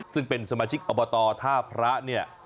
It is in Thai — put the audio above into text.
ซึ่งเป็นสมาชิกอบตท่าพระเนี่ย